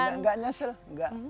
enggak enggak nyesel enggak